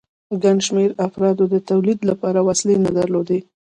ګڼ شمېر افرادو د تولید لپاره وسیلې نه درلودې